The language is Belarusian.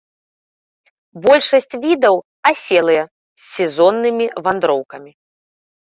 Большасць відаў аселыя, з сезоннымі вандроўкамі.